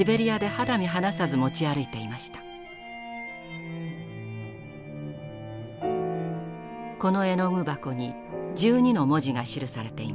この絵の具箱に１２の文字が記されています。